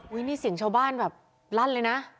อุ้ยนี่สิ่งชาวบ้านแบบลั่นเลยนะ